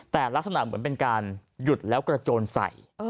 แต่ลักษณะเหมือนเป็นการหยุดแล้วกระโจนใส่